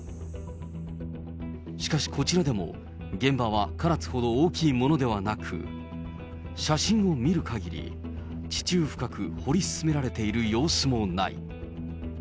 しかしこちらでも、現場は唐津ほど大きいものではなく、写真を見るかぎり、地中深く掘り進められている様子もない。